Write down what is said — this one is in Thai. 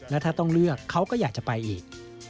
แล้วถ้าต้องเลือกเขาก็อยากจะไปอีก